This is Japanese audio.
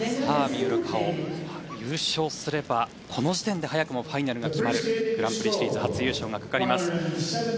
三浦佳生優勝すればこの時点で早くもファイナルが決まるグランプリシリーズ初優勝がかかります。